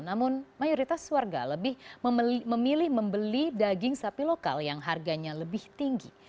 namun mayoritas warga lebih memilih membeli daging sapi lokal yang harganya lebih tinggi